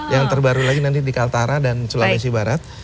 yang terbaru lagi nanti di kaltara dan sulawesi barat